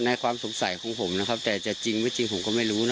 ความสงสัยของผมนะครับแต่จะจริงไม่จริงผมก็ไม่รู้นะ